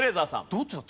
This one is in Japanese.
どっちだ？